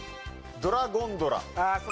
ドラゴンドラ。